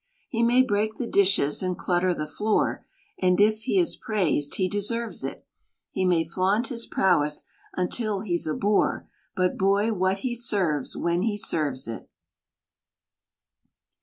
He may break the dishes and clutter the floor. And if he is praised — he deserves it — He may flaunt his prowess until he's a bore. ... But, Boy, what he serves — when he serves it!